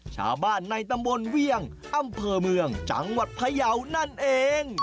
ชาวบ้านในตำบลเวี่ยงอำเภอเมืองจังหวัดพยาวนั่นเอง